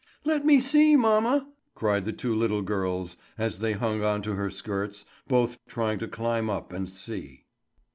"Let me see, mamma!" cried the two little girls, as they hung on to her skirts, both trying to climb up and see.